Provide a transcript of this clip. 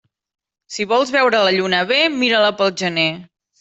Si vols veure la lluna bé, mira-la pel gener.